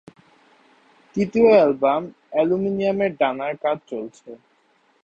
তৃতীয় অ্যালবাম "অ্যালুমিনিয়ামের ডানা"র কাজ চলছে।